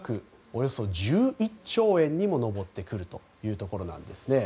およそ１１兆円にも上ってくるというところなんです。